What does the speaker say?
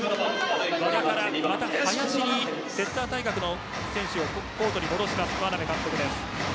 和田から、また林にセッター対角の選手をコートに戻した眞鍋監督です。